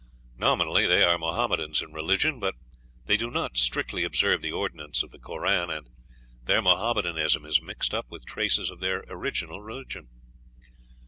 Nominally they are Mohammedans in religion; but they do not strictly observe the ordinances of the Koran, and their Mohammedanism is mixed up with traces of their original religion."